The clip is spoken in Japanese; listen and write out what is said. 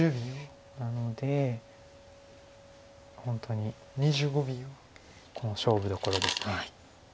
なので本当に勝負どころです。